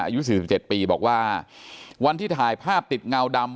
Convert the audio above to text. อายุสิบสิบเจ็ดปีบอกว่าวันที่ถ่ายภาพติดเงาดำ